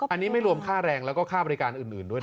อันนี้ไม่รวมค่าแรงแล้วก็ค่าบริการอื่นด้วยนะ